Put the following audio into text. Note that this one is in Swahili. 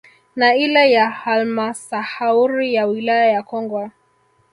Na ile ya halmasahauri ya wilaya ya Kongwa